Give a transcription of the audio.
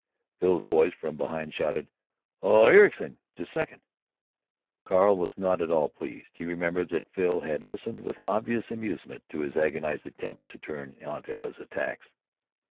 Phil's voice, from behind, shouted: "Oh, Ericson! Just a second." Carl was not at all pleased. He remembered that Phil had listened with obvious amusement to his agonized attempt to turn Aunt Emma's attacks.